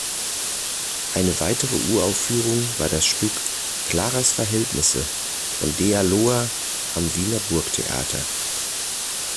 Eine weitere Uraufführung war das Stück "Klaras Verhältnisse" von Dea Loher am Wiener Burgtheater.